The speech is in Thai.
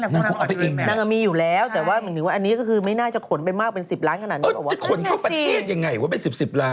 นางอามีอยู่แล้วแต่ว่าอันนี้ก็คือไม่น่าจะขนไปมากเป็น๑๐ล้านบาทขนาดนี้หรือเปล่า